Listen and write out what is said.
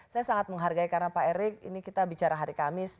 saya sangat menghargai karena pak erick ini kita bicara hari kamis